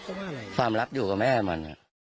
อืมความรับอยู่กับแม่มัน